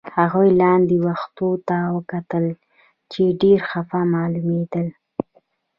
هغې لاندې و ختو ته وکتل، چې ډېر خپه معلومېدل.